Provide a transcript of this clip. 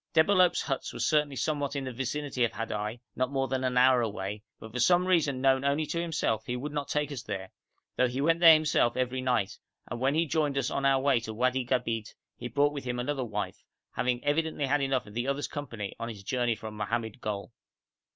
Debalohp's huts were certainly somewhere in the vicinity of Hadai, not more than an hour away, but for some reason known only to himself he would not take us there, though he went there himself every night, and when he joined us on our way to Wadi Gabeit he brought with him another wife, having evidently had enough of the other's company on his journey from Mohammed Gol.